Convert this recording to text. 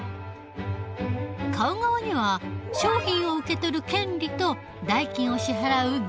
買う側には商品を受けとる権利と代金を支払う義務が生まれる。